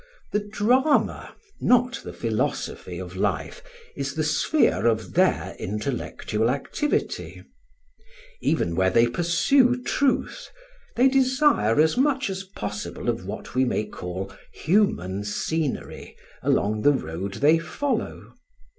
The drama, not the philosophy, of life is the sphere of their intellectual activity. Even when they pursue truth, they desire as much as possible of what we may call human scenery along the road they follow.